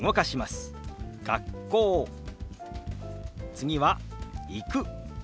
次は「行く」。